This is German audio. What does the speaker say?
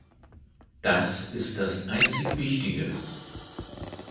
Das ist das einzig wichtige!